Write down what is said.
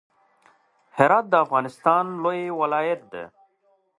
هرات د افغانستان لوی ولایت دی.